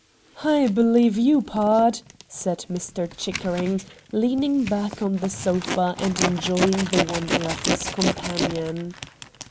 ' I believe you, pard,' said Mr. Chicker ing, leaning back on the sofa and enjoying the wonder of his companion.